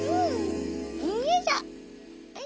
よいしょ。